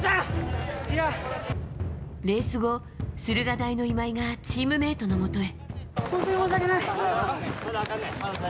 レース後、駿河台の今井がチームメートのもとへ。